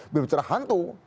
biar bicara hantu